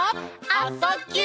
「あ・そ・ぎゅ」